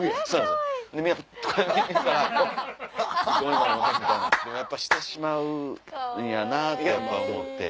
でもやっぱしてしまうんやなって思って。